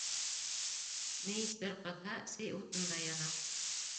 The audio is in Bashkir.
Мейес бер ҡыҙһа, сей утын да яна.